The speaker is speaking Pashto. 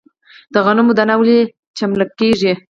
د غنمو دانه ولې چملک کیږي؟